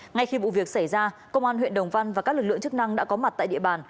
ngay khi vụ việc xảy ra công an huyện đồng văn và các lực lượng chức năng đã có mặt tại địa bàn